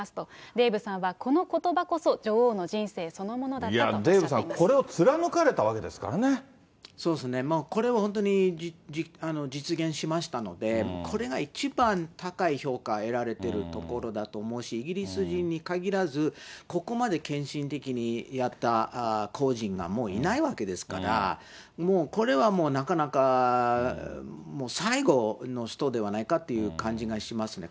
デーブさんは、このことばこそ、女王の人生そのものだったとおっデーブさん、これを貫かれたそうですね、これを本当に実現しましたので、これが一番高い評価を得られているところだと思うし、イギリス人に限らず、ここまで献身的にやった公人がもういないわけですから、もう、これはもう、なかなか、もう最後の人ではないかという感じがしますね。